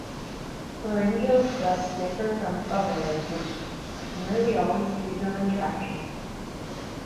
Pharyngeals thus differ from uvulars, which nearly always trigger retraction.